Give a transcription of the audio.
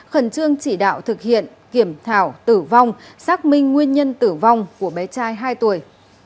khẩn trương chỉ đạo thực hiện kiểm thảo tử vong xác minh nguyên nhân tử vong của bé trai hai tuổi